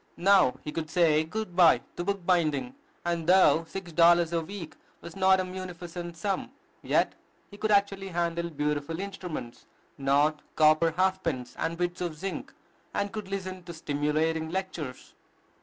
Now he could say good by to book binding; and, though six dollars a week was not a munificent sum, yet he could actually handle beautiful instruments, not copper half pence and bits of zinc, and could listen to stimulating lectures.